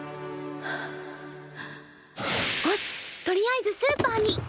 とりあえずスーパーに。